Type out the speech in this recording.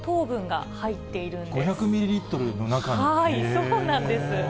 そうなんです。